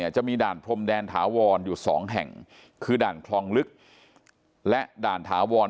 จะมีด่านพรมแดนถาวรอยู่๒แห่งคือด่านคลองลึกและด่านถาวร